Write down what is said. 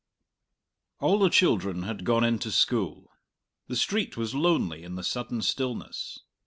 All the children had gone into school. The street was lonely in the sudden stillness.